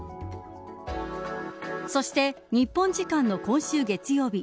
そして、日本時間の今週月曜日